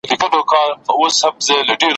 موبایلونه مي په جیب کي.